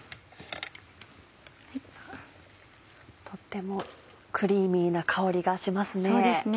とってもクリーミーな香りがしますね。